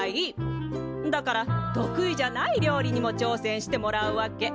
だから得意じゃない料理にもちょうせんしてもらうわけ。